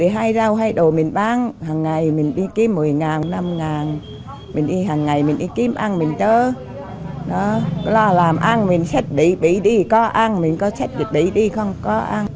hằng ngày mình đi kiếm ăn mình chơi làm ăn mình xách bị đi có ăn mình xách bị đi không có ăn